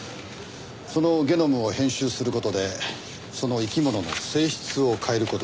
そのゲノムを編集する事でその生き物の性質を変える事ができる。